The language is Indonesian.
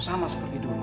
sama seperti dulu